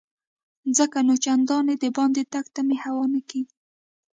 ځکه نو چنداني دباندې تګ ته مې هوا نه کیږي.